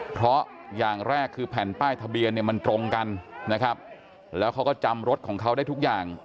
เพราะอย่างแรกคือแผ่นป้ายทะเบียนเนี่ยมันตรงกันนะครับแล้วเขาก็จำรถของเขาได้ทุกอย่าง